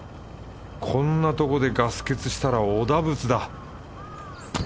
こんなとこでガス欠したらお陀仏だ。